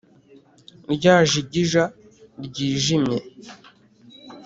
Ryajigija ryijimye